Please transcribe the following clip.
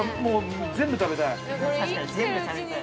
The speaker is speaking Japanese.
全部食べたい！